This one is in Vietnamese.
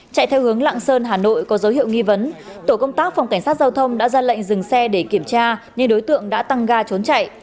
chạy theo hướng lạng sơn hà nội có dấu hiệu nghi vấn tổ công tác phòng cảnh sát giao thông đã ra lệnh dừng xe để kiểm tra nhưng đối tượng đã tăng ga trốn chạy